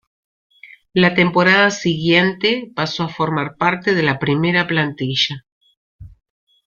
La temporada siguiente pasó a formar parte de la primera plantilla.